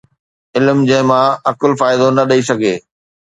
علم جنهن مان عقل فائدو نه ڏئي سگهي